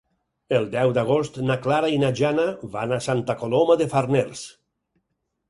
El deu d'agost na Clara i na Jana van a Santa Coloma de Farners.